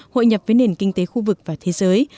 hội nhập với nền kinh tế khu vực và thế giới